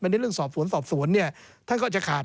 ในเรื่องสอบสวนสอบสวนเนี่ยท่านก็จะขาด